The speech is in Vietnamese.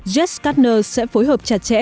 jess kastner sẽ phối hợp chặt chẽ